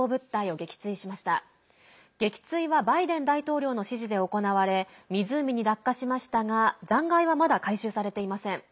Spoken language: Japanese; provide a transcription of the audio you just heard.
撃墜はバイデン大統領の指示で行われ湖に落下しましたが残骸は、まだ回収されていません。